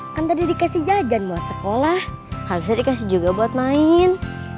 kan tadi dikasih jajan buat sekolah harusnya dikasih juga buat main